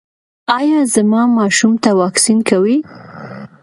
ایا زما ماشوم ته واکسین کوئ؟